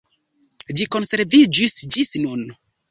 Ĝi konserviĝis ĝis nun.